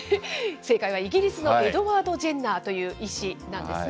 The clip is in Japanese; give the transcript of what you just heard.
正解はイギリスのエドワード・ジェンナーという医師なんですね。